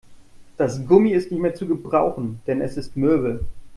Das Gummi ist nicht mehr zu gebrauchen, denn es ist mürbe.